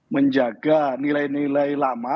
menjaga nilai nilai lama